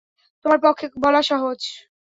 তোমার পক্ষে বলা সহজ।